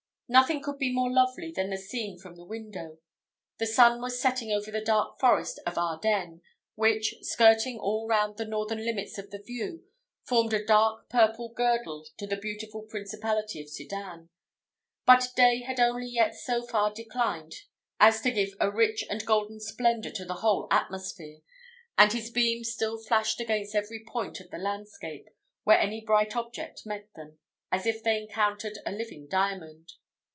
Nothing could be more lovely than the scene from the window. The sun was setting over the dark forest of Ardennes, which, skirting all round the northern limits of the view, formed a dark purple girdle to the beautiful principality of Sedan; but day had only yet so far declined as to give a rich and golden splendour to the whole atmosphere, and his beams still flashed against every point of the landscape, where any bright object met them, as if they encountered a living diamond.